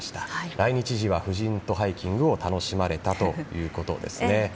来日時は夫人とハイキングを楽しまれたということですね。